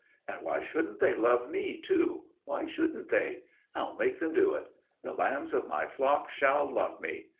And why shouldn't they love me, too? Why shouldn't they? I'll make them do it! yes, I'll make them do it! The lambs of my flock shall love me."